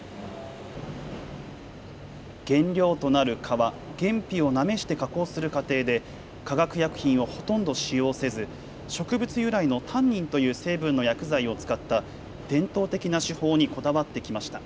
原料となる皮、原皮をなめして加工する過程で化学薬品をほとんど使用せず植物由来のタンニンという成分の薬剤を使った伝統的な手法にこだわってきました。